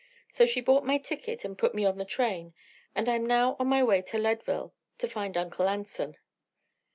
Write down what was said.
So she bought my ticket and put me on the train and I'm now on my way to Leadville to find Uncle Anson."